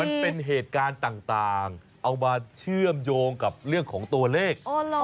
มันเป็นเหตุการณ์ต่างเอามาเชื่อมโยงกับเรื่องของตัวเลข